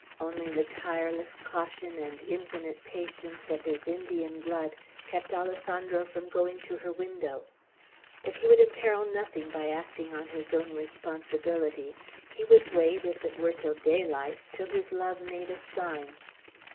Only the tireless caution and infinite patience of his Indian blood kept Alessandro from going to her window. But he would imperil nothing by acting on his own responsibility. He would wait, if it were till daylight, till his love made a sign.